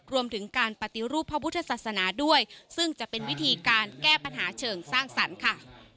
รวมถึงการปฏิรูปพระพุทธศาสนาด้วยซึ่งจะเป็นวิธีการแก้ปัญหาเชิงสร้างสรรค์ค่ะ